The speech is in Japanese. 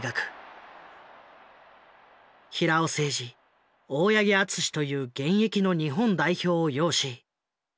平尾誠二大八木淳史という現役の日本代表を擁し打倒